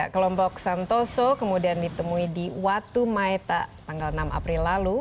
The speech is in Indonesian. kelompok santoso kemudian ditemui di watu maeta tanggal enam april lalu